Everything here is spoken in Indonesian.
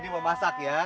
ini mau masak ya